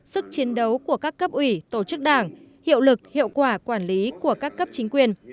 sức chiến đấu của các cấp ủy tổ chức đảng hiệu lực hiệu quả quản lý của các cấp chính quyền